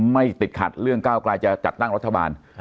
ไม่ติดขัดการกลับจัดตั้งรัฐบาล